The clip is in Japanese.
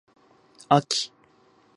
あき